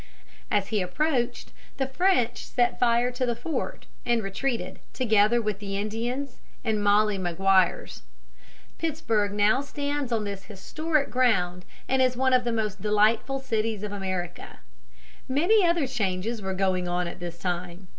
As he approached, the French set fire to the fort, and retreated, together with the Indians and Molly Maguires. Pittsburg now stands on this historic ground, and is one of the most delightful cities of America. Many other changes were going on at this time.